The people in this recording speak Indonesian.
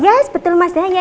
yes betul mas dha